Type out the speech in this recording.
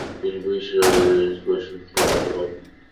তিনি ব্রিটিশ রাজের পেনশন প্রাপ্ত হন।